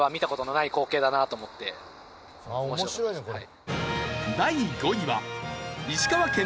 面白いねこれ。